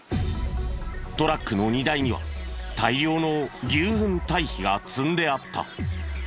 トラックの荷台には大量の牛ふん堆肥が積んであった。